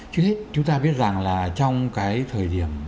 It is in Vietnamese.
chúng ta biết rằng là trong cái thời điểm